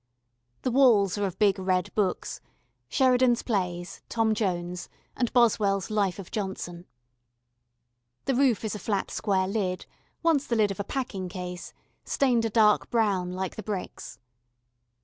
The walls are of big red books Sheridan's Plays, Tom Jones, and Boswell's Life of Johnson. The roof is a flat square lid, once the lid of a packing case, stained a dark brown like the bricks.